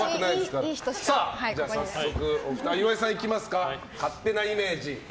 さあ、早速岩井さんいきますか勝手なイメージ。